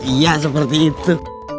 iya seperti itu